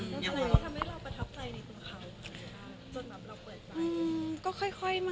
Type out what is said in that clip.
แล้วอะไรก็ทำให้เราประทับใจในตัวเขาจนแบบเราเปิดใจ